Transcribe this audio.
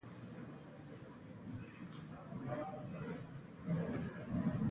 د غاښونو د سپینولو لپاره د څه شي پوستکی وکاروم؟